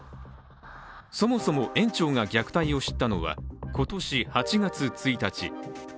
そもそも園長が虐待を知ったのは今年８月１日。